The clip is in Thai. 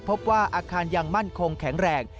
พบว่าอาคารยังมั่นคงแข็งแรง